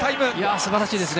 すばらしいですね。